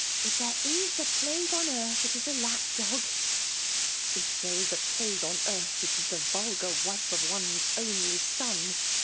*^ If there is a plague on earth, it is a lap dog.^' ''If there is a plague on earth, it is the Tolgar wife of one's only son